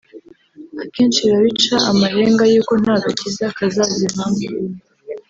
akenshi biba bica amarenga yuko nta gakiza kazazivamo